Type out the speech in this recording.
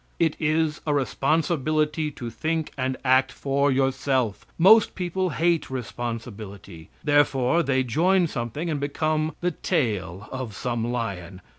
It is a responsibility to think and act for yourself. Most people hate responsibility; therefore they join something and become the tail of some lion.